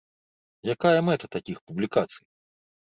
Якая мэта такіх публікацый?